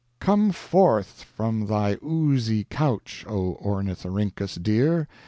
"Come forth from thy oozy couch, O Ornithorhynchus dear!